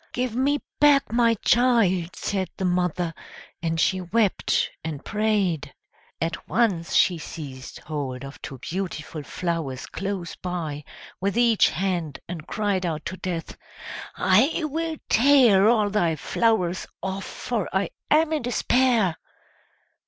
"Give me back my child!" said the mother, and she wept and prayed. At once she seized hold of two beautiful flowers close by, with each hand, and cried out to Death, "I will tear all thy flowers off, for I am in despair."